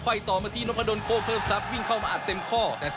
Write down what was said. ต่อมาที่นพดลโค้เพิ่มทรัพย์วิ่งเข้ามาอัดเต็มข้อ